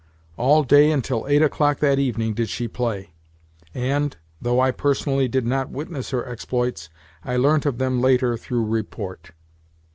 All day until eight o'clock that evening did she play; and, though I personally did not witness her exploits, I learnt of them later through report.